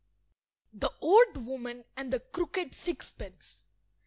THE OLD WOMAN AND THE CROOKED SIXPENCE.